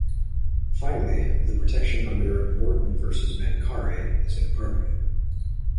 Finally, the protection under "Morton versus Mancari" is inappropriate.